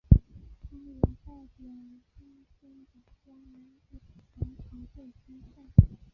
他也代表黑山国家男子篮球队参赛。